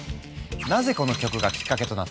なぜこの曲がきっかけとなったのか。